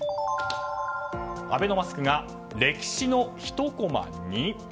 アベノマスクが歴史のひとコマに？